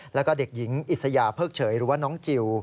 แล้วก็เด็กหญิงอิสยาเพิกเฉยหรือว่าน้องจิล